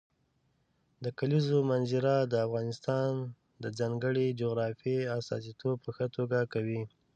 د کلیزو منظره د افغانستان د ځانګړي جغرافیې استازیتوب په ښه توګه کوي.